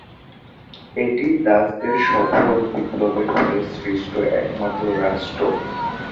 এটিই দাসদের সফল বিপ্লবের ফলে সৃষ্ট একমাত্র রাষ্ট্র।